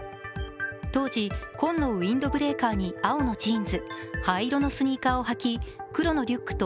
東寺、紺のウインドブレーカーに、青のジーンズ、灰色のスニーカーを履き、黒のリュックと